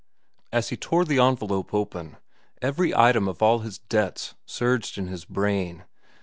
As he tore the envelope open, every item of all his debts surged in his brain—$3.